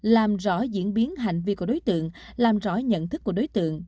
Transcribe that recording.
làm rõ diễn biến hành vi của đối tượng làm rõ nhận thức của đối tượng